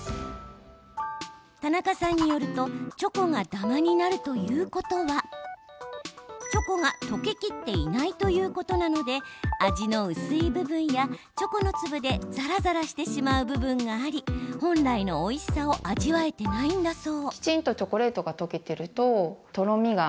田中さんによるとチョコがダマになるということはチョコが溶けきっていないということなので味の薄い部分やチョコの粒でざらざらしてしまう部分があり本来のおいしさを味わえてないんだそう。